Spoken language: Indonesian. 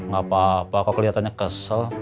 gapapa kok keliatannya kesel